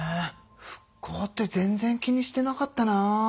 復興って全然気にしてなかったな。